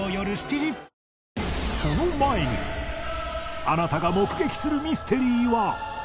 あなたが目撃するミステリーは